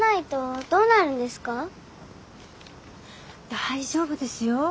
大丈夫ですよ。